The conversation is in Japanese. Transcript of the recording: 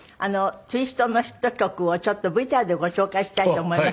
ツイストのヒット曲をちょっとＶＴＲでご紹介したいと思います。